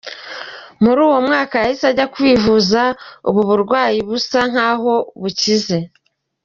Muri uwo mwaka yahise ajya kwivuza , ubu burwayi busa nkaho bukize.